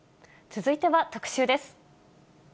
続いては特集です。